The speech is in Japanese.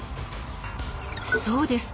そうです。